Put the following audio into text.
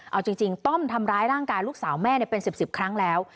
เอาจริงต้อมทำร้ายร่างกายลูกสาวแม่เป็น๑๐ครั้งแล้ว